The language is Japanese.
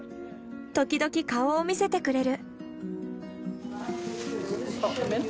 時々顔を見せてくれる。